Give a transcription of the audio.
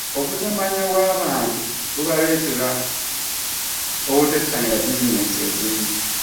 obutamanya bw'abantu bubaleetera obutettanira bizineesi ezimu.